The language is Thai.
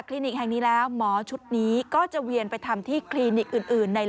โคลนี้แหละครับแต่เครียมเป็นคนก็ไม่เหมือนกัน